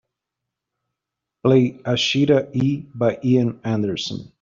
Play Ashita E by Ian Anderson